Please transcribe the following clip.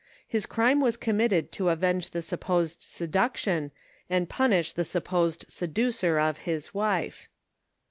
His crime was committed to avenge the supposed seduction, and punish the supposed seducer of his wife.